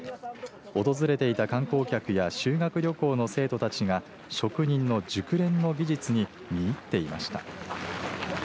訪れていた観光客や修学旅行の生徒たちが職人の熟練の技術に見入っていました。